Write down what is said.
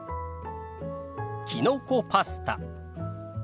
きのこパスタ。